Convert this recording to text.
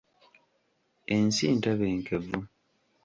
Ensi ntebenkevu.